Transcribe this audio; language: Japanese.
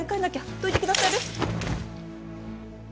どいてくださる？